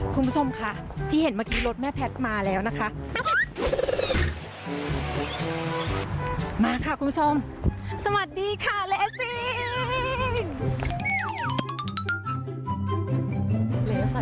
คุณผู้ชมค่ะที่เห็นเมื่อกี้รถแม่แพทมาแล้วนะคะมาละค่ะคุณผู้ชมสวัสดีค่ะเลสซิง